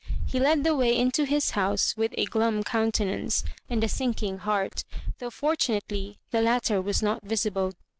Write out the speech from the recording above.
He led the way into his house with a glum countenance and a sinking heart, though fortunately the latter was not visible.